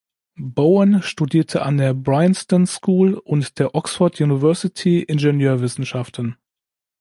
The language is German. Bowen studierte an der Bryanston School und der Oxford University Ingenieurwissenschaften.